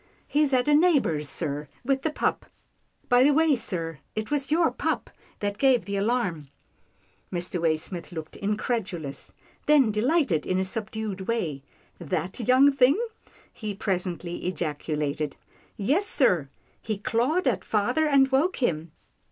" He's at a neighbour's, sir, with the pup. By the way, sir, it was your pup that gave the alarm." Mr. Waysmith looked incredulous, then delighted in a subdued way. " That young thing? " he pres ently ejaculated. " Yes sir, he clawed at father and woke him.